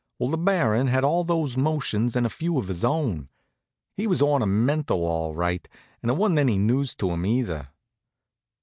Well, the Baron had all those motions and a few of his own. He was ornamental, all right, and it wa'n't any news to him either.